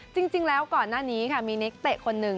จริงแล้วก่อนหน้านี้ค่ะมีนักเตะคนหนึ่ง